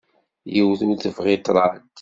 Yiwet ur tebɣi ṭṭraḍ.